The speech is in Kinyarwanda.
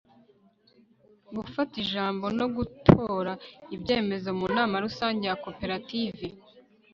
gufata ijambo no gutora ibyemezo mu nama rusange ya koperative